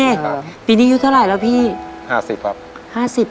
ครับปีนี้ยุทธาลัยแล้วพี่๕๐ครับ